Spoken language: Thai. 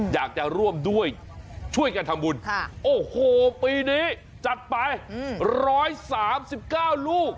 อยากจะร่วมด้วยช่วยกันทำบุญโอ้โหปีนี้จัดไป๑๓๙ลูก